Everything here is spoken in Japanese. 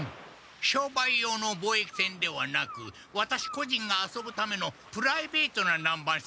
商売用の貿易船ではなくワタシこじんが遊ぶためのプライベートな南蛮船です。